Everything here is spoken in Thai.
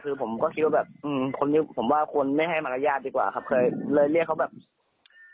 คือผมก็คิดว่าแบบผมว่าคุณไม่ให้มารยาทดีกว่าครับ